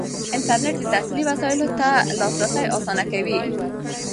انټرنیټ د تحصیلي وسایلو ته لاسرسی اسانه کوي.